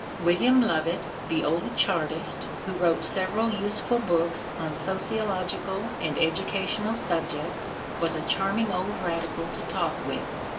William Lovett, the old chartist, who wrote several useful books on sociological and educational subjects, was a charming old radical to talk with.